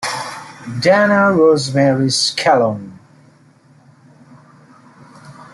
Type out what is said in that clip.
Dana Rosemary Scallon.